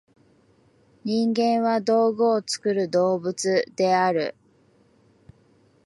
人間は「道具を作る動物」である。